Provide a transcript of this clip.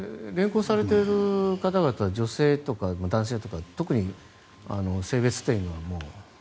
連行されている方々は女性とか男性とか特に性別は？